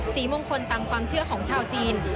สีมงคลตามความเชื่อของชาวจีน